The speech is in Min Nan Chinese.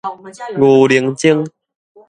牛奶精